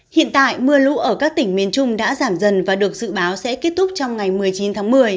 hiện tại mưa lũ ở các tỉnh miền trung đã giảm dần và được dự báo sẽ kết thúc trong ngày một mươi chín tháng một mươi